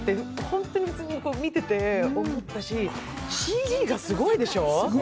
本当に見てて思ったし、ＣＧがすごいでしょう？